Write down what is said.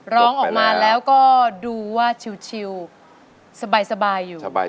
ร้องออกมาแล้วก็ดูว่าชิลสบายอยู่สบาย